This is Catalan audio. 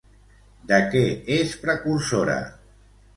De què és precursora?